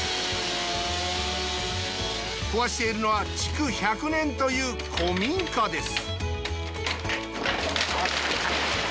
壊しているのは築１００年という古民家です